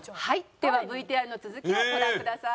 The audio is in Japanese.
ではＶＴＲの続きをご覧ください。